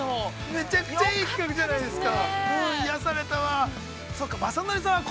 ◆めちゃくちゃ、いい企画じゃないですか。